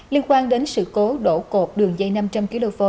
liên quan đến sự cố đổ cột đường dây năm trăm linh kv